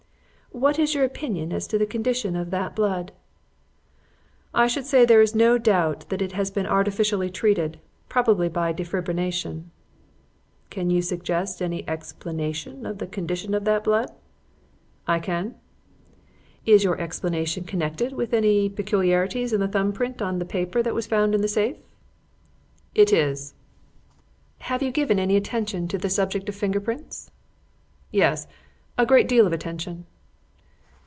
"What is your opinion as to the condition of that blood?" "I should say there is no doubt that it had been artificially treated probably by defibrination." "Can you suggest any explanation of the condition of that blood?" "I can." "Is your explanation connected with any peculiarities in the thumb print on the paper that was found in the safe?" "It is." "Have you given any attention to the subject of finger prints?" "Yes. A great deal of attention."